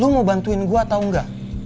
lo mau bantuin gue atau nggak